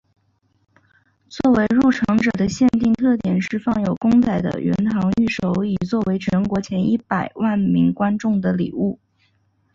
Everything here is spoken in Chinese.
作为入场者的限定特典是放有公仔的圆堂御守以作为全国前一百万名观众的礼物。